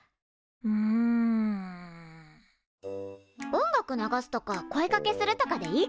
音楽流すとか声かけするとかでいいかな？